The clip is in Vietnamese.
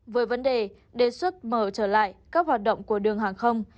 với vấn đề đề xuất mở trở lại các hoạt động của đường hàng không